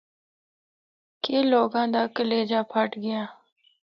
کہ لوگاں دا کلیجہ پھٹ گیا۔